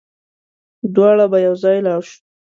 دواړه به يوځای لاړ شو